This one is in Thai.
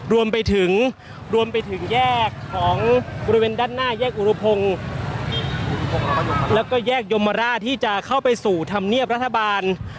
รวมไปถึงรวมไปถึงแยกของบริเวณด้านหน้าแยกอุรพงศ์แล้วก็แยกยมราชที่จะเข้าไปสู่ธรรมเนียบรัฐบาล